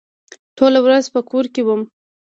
ټوله ورځ په کور کې وم.